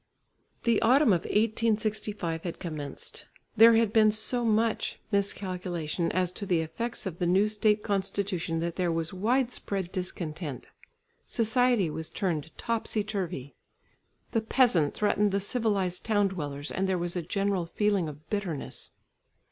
The autumn of 1865 had commenced. There had been so much miscalculation as to the effects of the new State constitution that there was widespread discontent. Society was turned topsy turvy. The peasant threatened the civilised town dwellers and there was a general feeling of bitterness.